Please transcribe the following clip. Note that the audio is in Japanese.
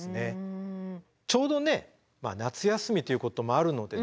ちょうどね夏休みということもあるのでね